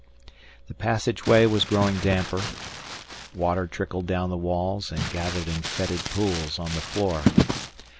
The passageway was growing damper; water trickled down the walls and gathered in fetid pools on the floor.